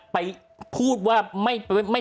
ไปพูดว่าไม่